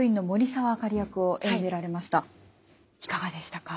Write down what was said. いかかでしたか。